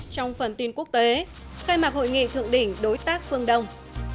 trong phần tin quốc tế khai mạc hội nghị thượng đỉnh đối tác phương đông